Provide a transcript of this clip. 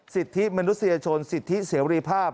สิทธิมนุษยชนสิทธิเสรีภาพ